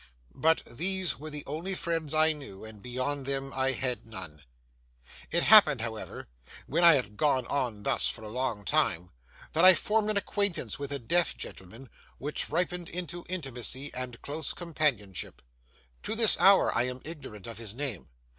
But these were the only friends I knew, and beyond them I had none. It happened, however, when I had gone on thus for a long time, that I formed an acquaintance with a deaf gentleman, which ripened into intimacy and close companionship. To this hour, I am ignorant of his name.